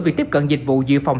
vì tiếp cận dịch vụ dự phòng